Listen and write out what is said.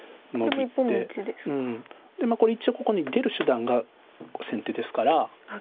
これ一応ここに出る手段が先手ですからこうなって。